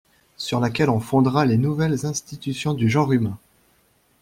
Sur laquelle on fondera les nouvelles institutions du genre humain!